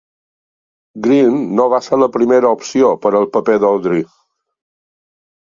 Greene no va ser la primera opció per al paper d'Audrey.